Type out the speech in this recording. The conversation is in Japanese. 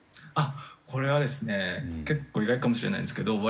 これはですね結構意外かもしれないんですけど